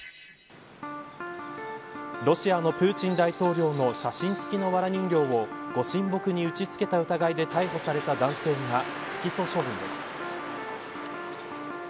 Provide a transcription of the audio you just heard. ロシアのプーチン大統領の写真付きのわら人形をご神木に打ちつけた疑いで逮捕された男性が不起訴処分です。